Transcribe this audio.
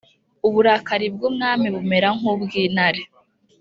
uburakari bw umwami bumera nk ubw intare